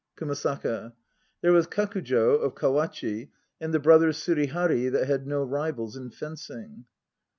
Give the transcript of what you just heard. KUMASAKA. There was Kakujd of Kawachi, and the brothers Surihari that had no rivals in fencing.